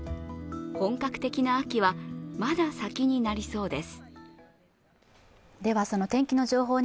本格的な秋はまだ先になりそうです。